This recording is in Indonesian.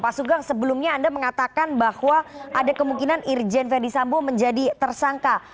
pak sugeng sebelumnya anda mengatakan bahwa ada kemungkinan irjen ferdisambo menjadi tersangka